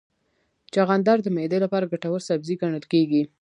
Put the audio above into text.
چغندر د معدې لپاره ګټور سبزی ګڼل کېږي.